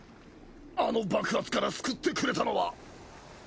あの爆発から救ってくれたのは。